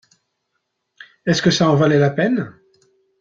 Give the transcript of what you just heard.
Est-ce que ça en valait la peine?